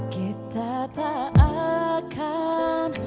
kita tak akan